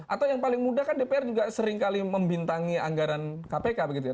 atau yang paling mudah kan dpr juga seringkali membintangi anggaran kpk begitu ya